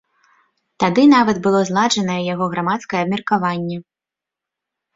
Тады нават было зладжанае яго грамадскае абмеркаванне.